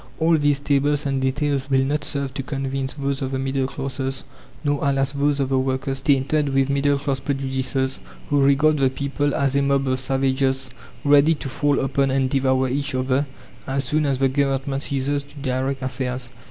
All these tables and details will not serve to convince those of the middle classes, nor, alas, those of the workers tainted with middle class prejudices, who regard the people as a mob of savages ready to fall upon and devour each other, as soon as the Government ceases to direct affairs.